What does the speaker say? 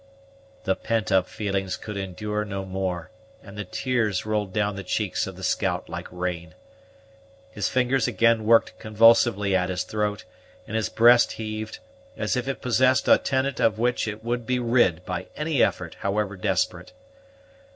The pent up feelings could endure no more, and the tears rolled down the cheeks of the scout like rain. His fingers again worked convulsively at his throat; and his breast heaved, as if it possessed a tenant of which it would be rid, by any effort, however desperate.